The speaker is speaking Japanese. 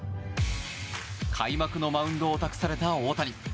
開幕のマウンドを託された大谷。